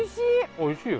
おいしいよ。